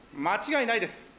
間違いないです。